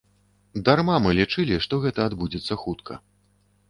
Дарма мы лічылі, што гэта адбудзецца хутка.